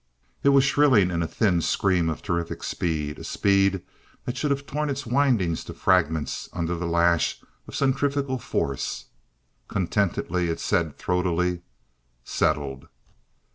It was shrilling in a thin scream of terrific speed, a speed that should have torn its windings to fragments under the lash of centrifugal force. Contentedly it said throatily. "Settled."